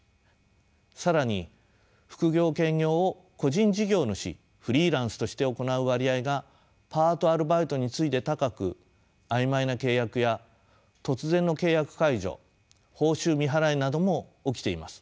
更に副業・兼業を個人事業主フリーランスとして行う割合がパートアルバイトに次いで高く曖昧な契約や突然の契約解除報酬未払いなども起きています。